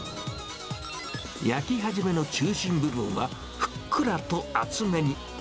焼き始めの中心部分は、ふっくらと厚めに。